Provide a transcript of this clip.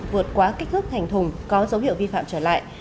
vượt quá kích thước thành thùng có dấu hiệu vi phạm trở lại